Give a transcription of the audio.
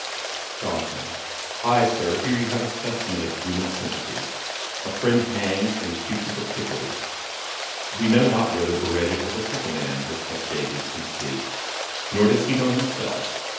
JOHNSON. 'Ay, Sir, here you have a specimen of human sympathy; a friend hanged, and a cucumber pickled. We know not whether Baretti or the pickle man has kept Davies from sleep; nor does he know himself.